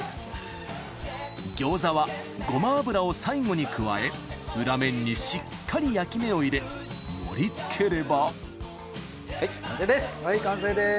餃子はごま油を最後に加え裏面にしっかり焼き目を入れ盛りつければはい完成です。